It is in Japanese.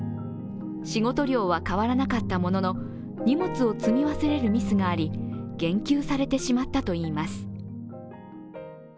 仕事量は変わらなかったものの荷物を積み忘れるミスがあり減給されてしまったといいます。